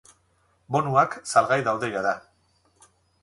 Bonuak salgai daude jada.